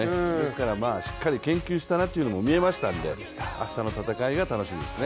しっかり研究したなというのも見えましたんで明日の戦いが楽しみですね。